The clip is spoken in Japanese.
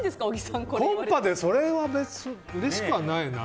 コンパで、それは別にうれしくはないな。